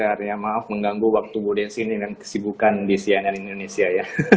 sehat sehat ya maaf mengganggu waktu bu desi dengan kesibukan di cnn indonesia ya